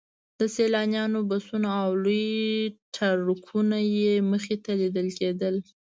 د سیلانیانو بسونه او لوی ټرکونه یې مخې ته لیدل کېدل.